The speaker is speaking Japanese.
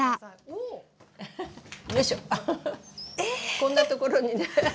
こんなところにねハハハ。